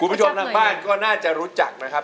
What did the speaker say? คุณผู้ชมทางบ้านก็น่าจะรู้จักนะครับ